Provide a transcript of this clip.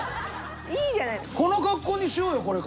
この格好にしようよこれから。